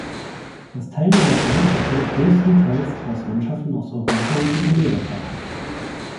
Das Teilnehmerfeld besteht größtenteils aus Mannschaften aus Europa und Südamerika.